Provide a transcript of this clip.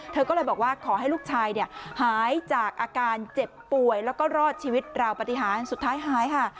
เธอก็เลยบอกว่าขอให้ลูกชายหายจากอาการเจ็บป่วยแล้วก็รอดชีวิตราวปฏิหารสุดท้ายหายค่ะ